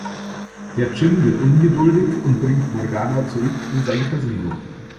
Der Dschinn wird ungeduldig und bringt Morgana zurück in sein Casino.